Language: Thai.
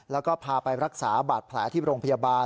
แล้วก็พาไปรักษาบาดแผลที่โรงพยาบาล